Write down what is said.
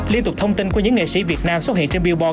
liên tục thông tin của những nghệ sĩ việt nam xuất hiện trên billboard